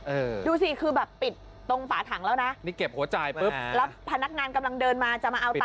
เออดูสิคือแบบปิดตรงฝาถังแล้วนะนี่เก็บหัวจ่ายปุ๊บแล้วพนักงานกำลังเดินมาจะมาเอาตั